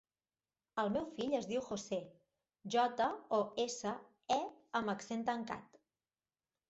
El meu fill es diu José: jota, o, essa, e amb accent tancat.